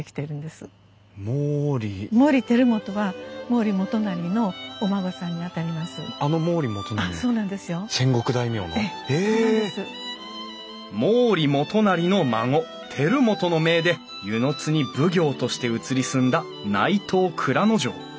毛利元就の孫輝元の命で温泉津に奉行として移り住んだ内藤内蔵丞。